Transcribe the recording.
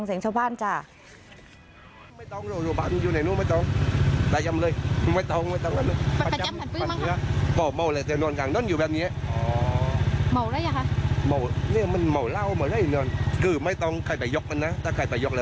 เอาฟังเสียงชาวบ้านจ้ะ